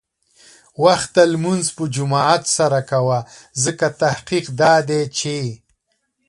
وخته لمونځ په جماعت سره کوه، ځکه تحقیق دا دی چې